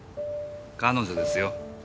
彼女ですよ。